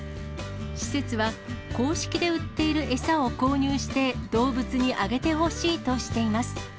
施設は、公式で売っている餌を購入して動物に上げてほしいとしています。